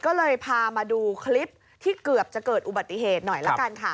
ก็เลยพามาดูคลิปที่เกือบจะเกิดอุบัติเหตุหน่อยละกันค่ะ